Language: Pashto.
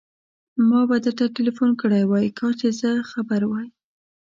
ما به درته ټليفون کړی وای، کاش چې زه خبر وای.